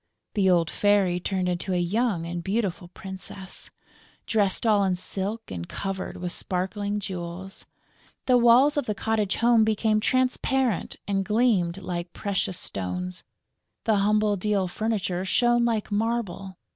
The old Fairy turned into a young and beautiful princess, dressed all in silk and covered with sparkling jewels; the walls of the cottage became transparent and gleamed like precious stones; the humble deal furniture shone like marble.